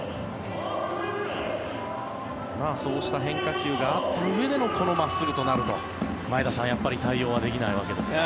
そうした変化球があったうえでのこの真っすぐとなると前田さん、やっぱり対応はできないわけですか。